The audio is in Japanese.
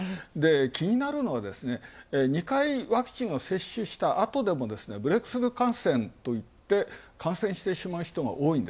気になるのは、２回ワクチンを接種したあとでも、ブレイクスルー感染といって、感染してしまう人が多い。